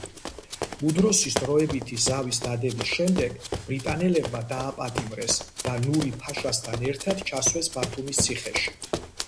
მუდროსის დროებითი ზავის დადების შემდეგ ბრიტანელებმა დააპატიმრეს და ნური ფაშასთან ერთად ჩასვეს ბათუმის ციხეში.